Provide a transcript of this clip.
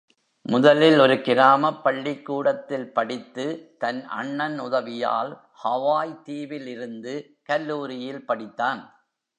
முதலில் ஒரு கிராமப் பள்ளிக்கூடத்தில் படித்து தன் அண்ணன் உதவியால் ஹவாய் தீவில் இருந்து கல்லூரியில் படித்தான்.